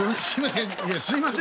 すいません。